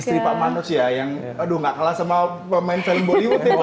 istri pak manus ya yang aduh gak kalah sama pemain film bollywood ya